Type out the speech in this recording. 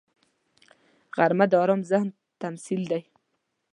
غرمه د آرام ذهن تمثیل دی